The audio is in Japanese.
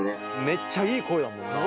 めっちゃいい声だもんな。